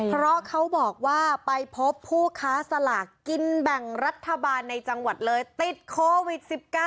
เพราะเขาบอกว่าไปพบผู้ค้าสลากกินแบ่งรัฐบาลในจังหวัดเลยติดโควิด๑๙